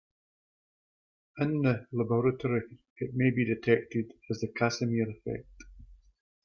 In the laboratory, it may be detected as the Casimir effect.